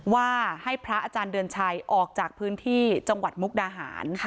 ว่าให้พระอาจารย์เดือนชัยออกจากพื้นที่จังหวัดมุกดาหาร